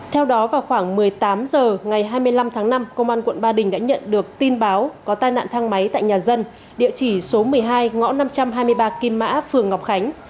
theo đó vào khoảng một mươi tám h ngày hai mươi năm tháng năm công an quận ba đình đã nhận được tin báo có tai nạn thang máy tại nhà dân địa chỉ số một mươi hai ngõ năm trăm hai mươi ba kim mã phường ngọc khánh